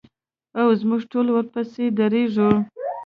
او موږ ټول ورپسې درېږو.